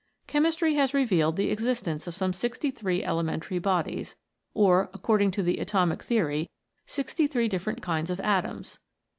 Chemistry has revealed the existence of some sixty three elementary bodies, or, according to the atomic theory, sixty three different kinds of atoms.